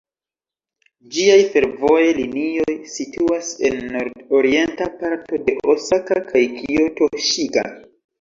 Ĝiaj fervojaj linioj situas en nord-orienta parto de Osaka kaj Kioto, Ŝiga.